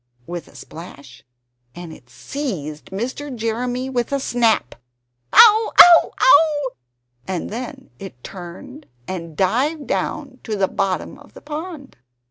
with a splash and it seized Mr. Jeremy with a snap, "Ow! Ow! Ow!" and then it turned and dived down to the bottom of the pond!